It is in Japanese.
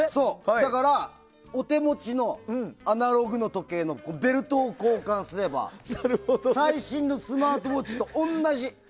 だから、お手持ちのアナログの時計のベルトを交換すれば、最新のスマートウォッチと同じ。